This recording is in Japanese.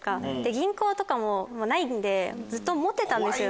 銀行とかもないんでずっと持ってたんですよね。